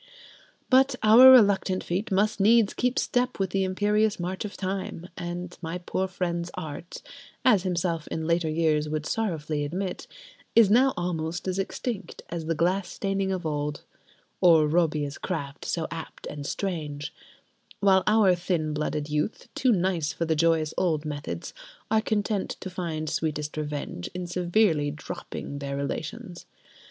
But our reluctant feet must needs keep step with the imperious march of Time, and my poor friend's Art (as himself in later years would sorrowfully admit) is now almost as extinct as the glass staining of old, or "Robbia's craft so apt and strange"; while our thin blooded youth, too nice for the joyous old methods, are content to find sweetest revenge in severely dropping their relations.